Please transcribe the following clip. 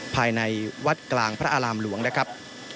ภายในวัดกลางพระอารามหลวงนะครับ